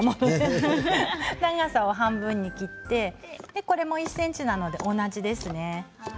長さを半分に切ってこれも１ｃｍなので同じですね。